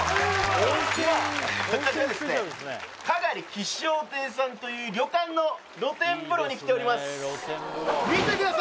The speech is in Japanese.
今私はですねかがり吉祥亭さんという旅館のに来ております